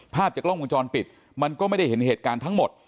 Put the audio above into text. ภาพจากกล้องวงจรปิดมันก็ไม่ได้เห็นเหตุการณ์ทั้งหมด